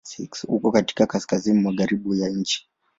Uko katika Kaskazini magharibi ya nchi.